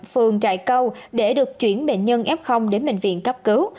phường trại câu để được chuyển bệnh nhân f đến bệnh viện cấp cứu